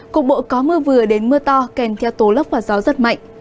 cục bộ có mưa vừa đến mưa to kèm theo tố lốc và gió rất mạnh